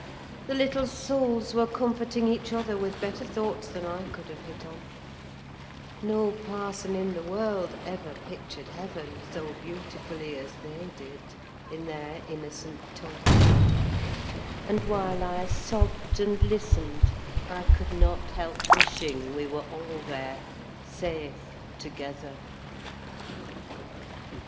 The little souls were comforting each other with better thoughts than I could have hit on: no parson in the world ever pictured heaven so beautifully as they did, in their innocent talk; and, while I sobbed and listened, I could not help wishing we were all there safe together.